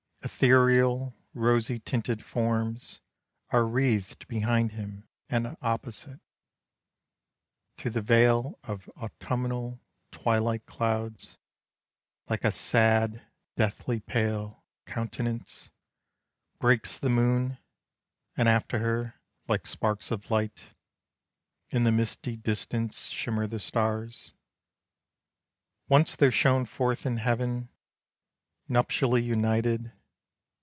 Ethereal, rosy tinted forms Are wreathed behind him, and opposite, Through the veil of autumnal, twilight clouds, Like a sad, deathly pale countenance, Breaks the moon, And after her, like sparks of light, In the misty distance, shimmer the stars. Once there shone forth in heaven, Nuptially united.